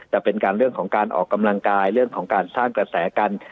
แต่เป็นการเรื่องของการออกกำลังกายเรื่องของการสร้างกระแสกัน